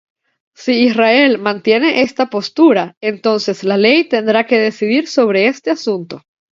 Si Israel mantiene esta postura, entonces la ley tendrá que decidir sobre este asunto.